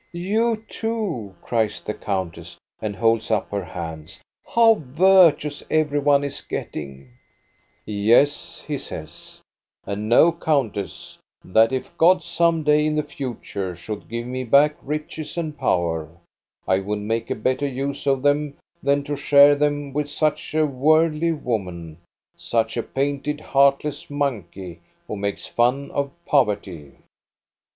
" You, too," cries the countess, and holds up her hands. " How virtuous every one is getting !"" Yes," he says, " and know, countess, that if God some day in the future should give me back riches and power, I would make a better use of them than to share them with such a worldly woman, such a painted, heartless monkey, who makes fun of poverty."